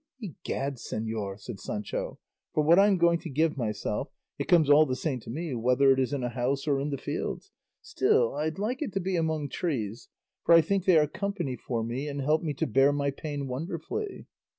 "Egad, señor," said Sancho, "for what I'm going to give myself, it comes all the same to me whether it is in a house or in the fields; still I'd like it to be among trees; for I think they are company for me and help me to bear my pain wonderfully."